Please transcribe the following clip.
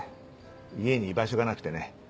家に居場所がなくてね。